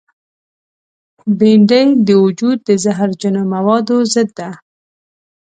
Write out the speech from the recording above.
بېنډۍ د وجود د زهرجنو موادو ضد ده